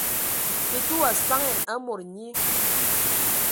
Tətə wa saŋan aaa mod nyi.